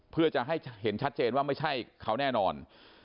เพื่อจะให้เห็นชัดเจนว่าไม่ใช่เขาแน่นอน